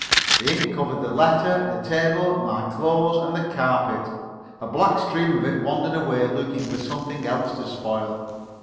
The ink covered the letter, the table, my clothes, and the carpet; a black stream of it wandered away looking for something else to spoil.